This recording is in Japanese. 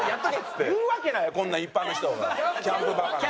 言うわけないよこんなん一般の人が「キャンプバカ」なんて。